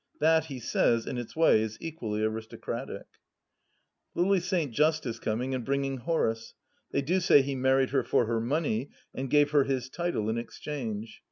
That, he says, in its way, is equally aristocratic. LUy St. Just is coming, and bringing Horace. They do say he married her for her money, and gave her his title in exchange.